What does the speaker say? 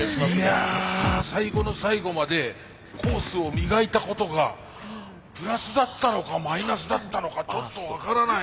いや最後の最後までコースを磨いたことがプラスだったのかマイナスだったのかちょっと分からない。